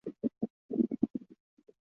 穗高岳附近有新穗高温泉。